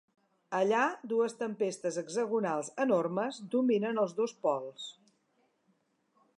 Allà dues tempestes hexagonals enormes dominen els dos pols.